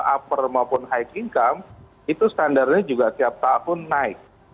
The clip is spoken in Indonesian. upper maupun high income itu standarnya juga tiap tahun naik